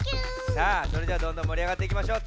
さあそれじゃあどんどんもりあがっていきましょう。